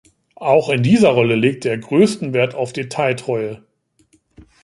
Auch in dieser Rolle legte er größten Wert auf Detailtreue.